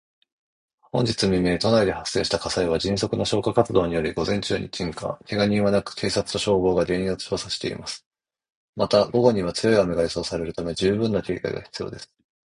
本日未明、都内で発生した火災は、迅速な消火活動により午前中に鎮火。けが人はなく、警察と消防が原因を調査しています。また、午後には強い雨が予想されるため、十分な警戒が必要です。